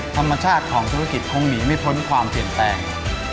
ธรรมชาติของธุรกิจคงหนีไม่พ้นความเปลี่ยนแปลง